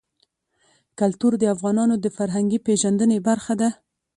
کلتور د افغانانو د فرهنګي پیژندنې برخه ده.